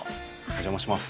お邪魔します。